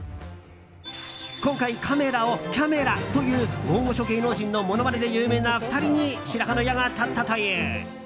今回、カメラをキャメラと言う大御所芸能人のものまねで有名な２人に白羽の矢が立ったという。